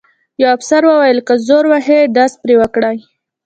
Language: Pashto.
یوه افسر وویل: که زور وهي ډز پرې وکړئ.